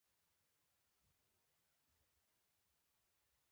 اوښانو تازه فسیلونه د انسان له راتګ سره تړلي دي.